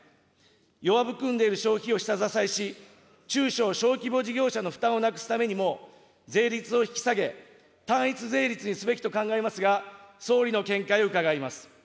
弱含んでいる消費を下支えし、中小・小規模事業者の負担をなくすためにも、税率を引き下げ、単一税率にすべきと考えますが、総理の見解を伺います。